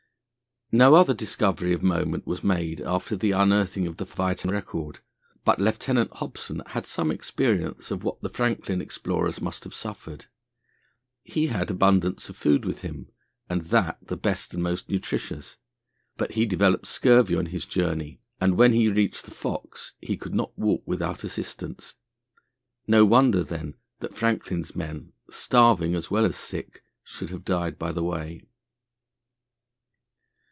No other discovery of moment was made after the unearthing of the vital record, but Lieutenant Hobson had some experience of what the Franklin explorers must have suffered. He had abundance of food with him, and that the best and most nutritious, but he developed scurvy on his journey, and when he reached the Fox he could not walk without assistance. No wonder, then, that Franklin's men, starving as well as sick, should have died by the way.